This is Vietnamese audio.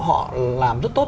họ làm rất tốt